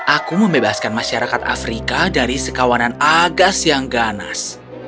aku membebaskan masyarakat afrika dari sekawanan agas yang ganas